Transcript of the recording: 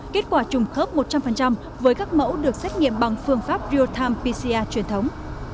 kết quả trùng khớp một trăm linh với các mẫu được xét nghiệm bằng phương pháp real time pcr truyền thống